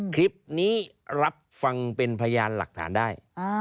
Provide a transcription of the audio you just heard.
คลิปนี้รับฟังเป็นพยานหลักฐานได้